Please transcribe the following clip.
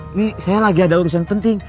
ini saya lagi ada urusan penting